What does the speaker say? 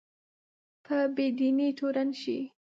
په بې دینۍ تورن شي